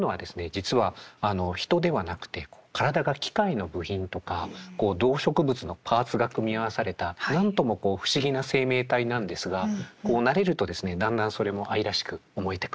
実はあの人ではなくて体が機械の部品とか動植物のパーツが組み合わされた何ともこう不思議な生命体なんですが慣れるとですねだんだんそれも愛らしく思えてくる。